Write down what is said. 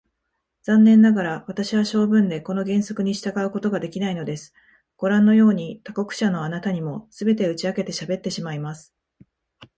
残念ながら、私は性分でこの原則に従うことができないのです。ごらんのように、他国者のあなたにも、すべて打ち明けてしゃべってしまいます。